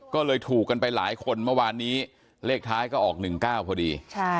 ก็เลยถูกกันไปหลายคนเมื่อวานนี้เลขท้ายก็ออก๑๙พอดี